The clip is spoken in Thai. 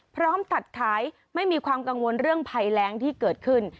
ตัดขายไม่มีความกังวลเรื่องภัยแรงที่เกิดขึ้น